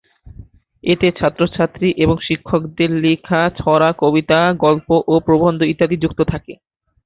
এতে ছাত্র-ছাত্রী এবং শিক্ষকদের লিখা ছড়া, কবিতা, গল্গ ও প্রবন্ধ ইত্যাদি যুক্ত থাকে।